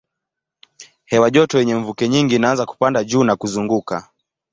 Hewa joto yenye mvuke nyingi inaanza kupanda juu na kuzunguka.